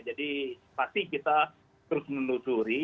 jadi pasti kita terus menelusuri